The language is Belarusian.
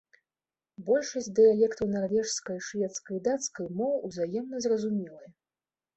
Большасць дыялектаў нарвежскай, шведскай і дацкай моў узаемна зразумелыя.